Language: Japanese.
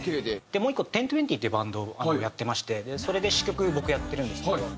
でもう１個ⅩⅠⅠⅩっていうバンドをやってましてそれで詞曲僕やってるんですけど